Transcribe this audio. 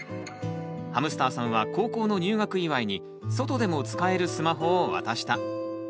ハムスターさんは高校の入学祝いに外でも使えるスマホを渡した。